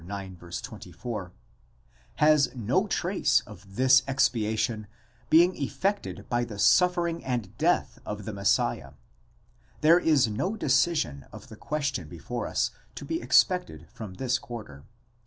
24), has no trace of this expiation being effected by the suffering and death of the Messiah δ: there is no decision of the question before us to be expected from this quarter.